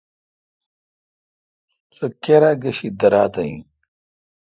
سو کیرا گشی دیراتھ این۔